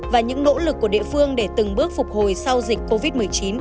và những nỗ lực của địa phương để từng bước phục hồi sau dịch covid một mươi chín